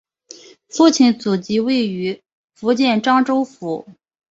父系祖籍位于福建漳州府。